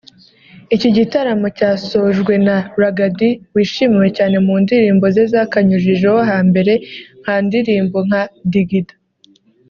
Iki gitaramo cyasojwe na Ragga Dee wishimiwe cyane mu ndirimbo ze zakanyujijeho hambere nka ndirimbo nka Ndigida